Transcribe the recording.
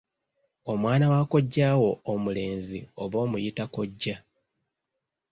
Omwana wa kojjaawo omulenzi oba omuyita kkojja.